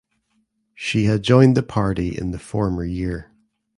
She had joined the party in the former year.